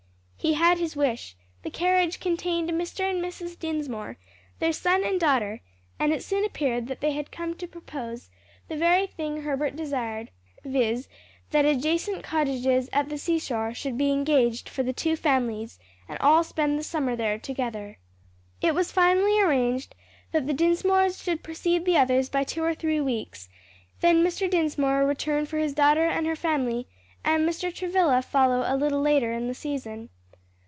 He had his wish; the carriage contained Mr. and Mrs. Dinsmore, their son and daughter, and it soon appeared that they had come to propose the very thing Herbert desired, viz., that adjacent cottages at the seashore should be engaged for the two families, and all spend the summer there together. It was finally arranged that the Dinsmores should precede the others by two or three weeks, then Mr. Dinsmore return for his daughter and her family, and Mr. Travilla follow a little later in the season.